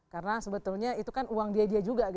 karena sebetulnya itu kan uang dia dia juga